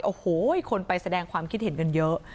โอ้โหคนไปแสดงความคิดเห็นกันเยอะ